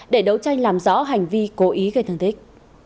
để đấu tranh làm rõ hành vi cố ý gây thương tích